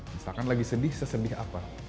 misalkan lagi sedih sesedih apa